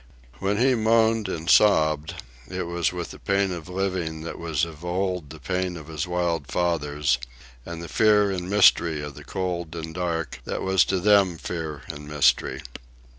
When he moaned and sobbed, it was with the pain of living that was of old the pain of his wild fathers, and the fear and mystery of the cold and dark that was to them fear and mystery.